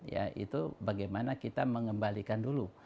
ya itu bagaimana kita mengembalikan dulu